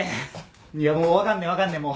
いやもう分かんねえ分かんねえもう。